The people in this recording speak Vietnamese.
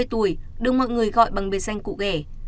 tám mươi tuổi được mọi người gọi bằng bề danh cụ ghẻ